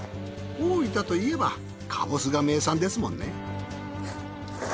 大分といえばかぼすが名産ですもんね。